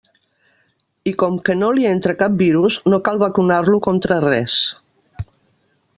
I com que no li entra cap virus, no cal vacunar-lo contra res.